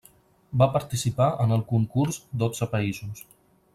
Va participar en el concurs dotze països.